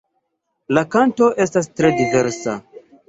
La kanto estas tre diversa.